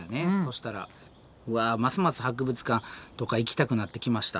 うわますます博物館とか行きたくなってきました。